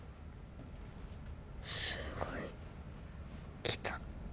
すごい。来た。